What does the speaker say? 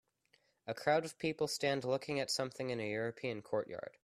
A crowd of people stand looking at something in a European courtyard.